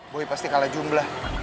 boy pasti kalah jumlah